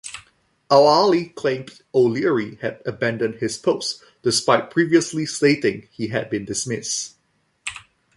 Al-Ahli claimed O'Leary had abandoned his post, despite previously stating he had been dismissed.